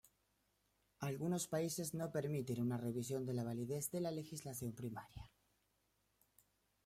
Algunos países no permiten una revisión de la validez de la legislación primaria.